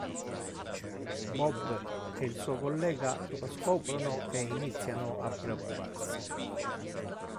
Bob e il suo collega lo scoprono e iniziano a preoccuparsi.